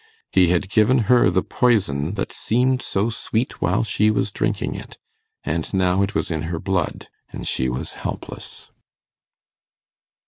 He had given her the poison that seemed so sweet while she was drinking it, and now it was in her blood, and she was helpless.